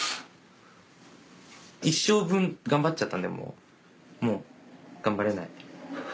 一生分頑張っちゃったんでもう頑張れない。